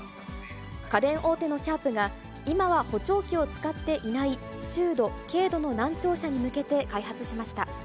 家電大手のシャープが、今は補聴器を使っていない中度、軽度の難聴者に向けて開発しました。